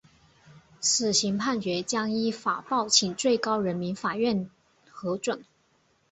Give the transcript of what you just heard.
死刑判决将依法报请最高人民法院核准。